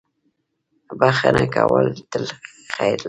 • بښنه کول تل خیر لري.